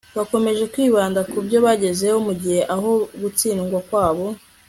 bakomeje kwibanda ku byo bagezeho mu gihe aho gutsindwa kwabo